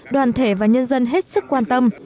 đoàn thể và nhân dân hết sức quan tâm